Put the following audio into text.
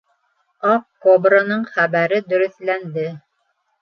Аҡ кобраның хәбәре дөрөҫләнде.